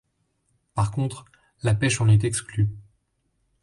Par contre, la pêche en est exclue.